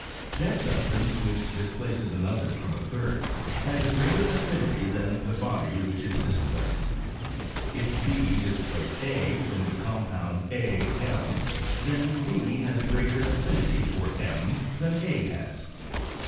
That substance which displaces another from a third, has a greater affinity than the body which is displaced. If i dis place a from the compound a m, then b has a g;reater affinity for m than a has.